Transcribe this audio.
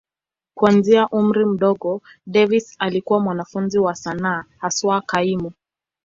Kuanzia umri mdogo, Davis alikuwa mwanafunzi wa sanaa, haswa kaimu.